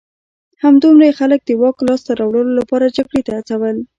همدومره یې خلک د واک لاسته راوړلو لپاره جګړې ته هڅول